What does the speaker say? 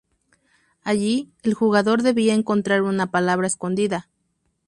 Allí, el jugador debía encontrar una palabra escondida.